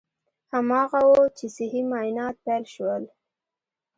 هماغه و چې صحي معاینات پیل شول.